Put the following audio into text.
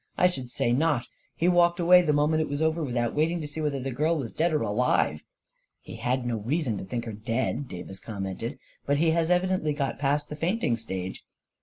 " I should say not! He walked away the moment it was over, without wait ing to see whether the girl was dead or alive." " He had no reason to think her dead," Davis commented. " But he has evidently got past the fainting stage."